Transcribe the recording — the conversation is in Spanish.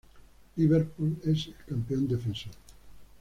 Liverpool es el campeón defensor.